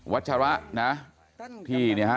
วัชระนะฮะ